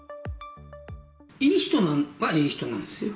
いい人はいい人なんですよ。